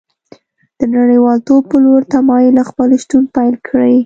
د نړیوالتوب په لور تمایل خپل شتون پیل کړی